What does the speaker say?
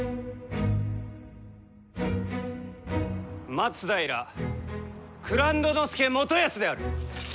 松平蔵人佐元康である！